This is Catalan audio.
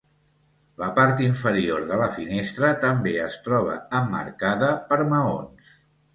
La part inferior de la finestra també es troba emmarcada per maons.